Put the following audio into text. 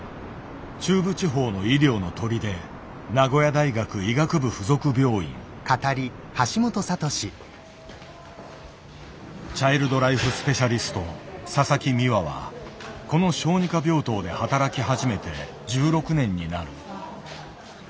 中部地方の医療の砦チャイルド・ライフ・スペシャリスト佐々木美和はこの小児科病棟で働き始めて１６年になる。